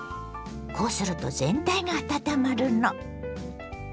こうすると全体が温まるの。